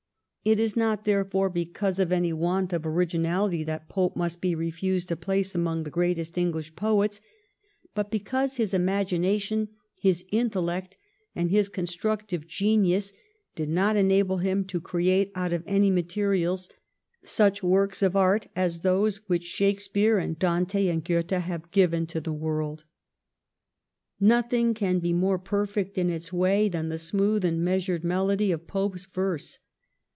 It is not therefore because of any want of originality that Pope must be refused a place among the greatest English poets, but because his imagination, his intellect, and his constructive genius did not enable him to create out of any materials such works of art as those which Shake speare, and Dante, and Goethe have given to the world. Nothing can be more perfect in its way than the smooth and measured melody of Pope's verse.